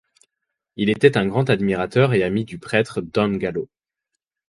Il était un grand admirateur et ami du prêtre Don Gallo.